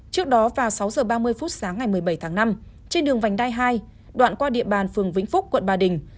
trước đó vào sáu h ba mươi phút sáng ngày một mươi bảy tháng năm trên đường vành đai hai đoạn qua địa bàn phường vĩnh phúc quận ba đình